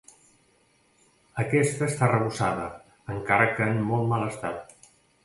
Aquesta està arrebossada, encara que en molt mal estat.